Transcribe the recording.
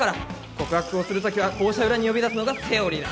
告白をするときは校舎裏に呼び出すのがセオリーだ！